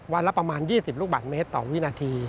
ละประมาณ๒๐ลูกบาทเมตรต่อวินาที